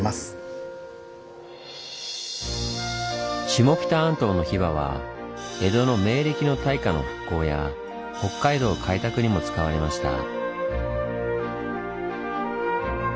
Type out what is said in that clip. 下北半島のヒバは江戸の明暦の大火の復興や北海道開拓にも使われました。